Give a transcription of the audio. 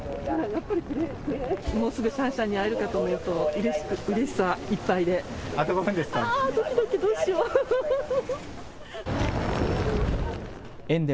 もうすぐシャンシャンに会えるかと思うとうれしさいっぱいで。